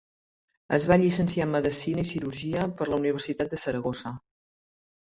Es va llicenciar en Medicina i Cirurgia per la Universitat de Saragossa.